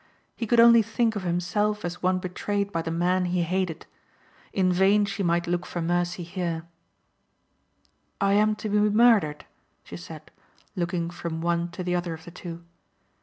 He could only think of himself as one betrayed by the man he hated. In vain she might look for mercy here. "I am to be murdered?" she said looking from one to the other of the two.